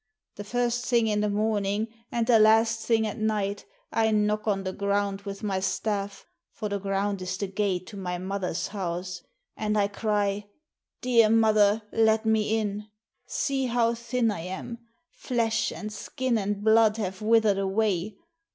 The first thing in the morning and the last thing at night I knock on the ground with my staff, for the ground is the gate to my mother's house; and I cry, * Dear mother, let me in ! See how thin I am ! Flesh and skin and blood have withered away.